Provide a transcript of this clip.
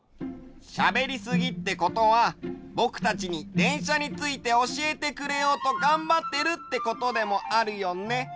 しゃべりすぎってことはぼくたちにでんしゃについておしえてくれようとがんばってるってことでもあるよね。